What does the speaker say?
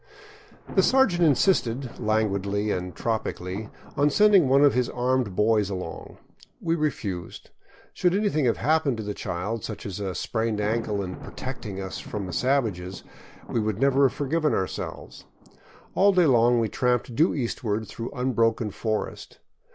The sergeant insisted, languidly and tropically, on sending one of his armed boys along. We refused. Should anything have happened to the child, such as a sprained ankle in " protecting " us from the savages, we could never have forgiven ourselves. All day long we tramped due eastward through unbroken forest.